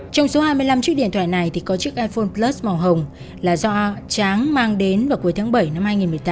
trong số hai mươi năm chiếc điện thoại này thì có chiếc iphone plus màu hồng là do tráng mang đến vào cuối tháng bảy năm hai nghìn một mươi tám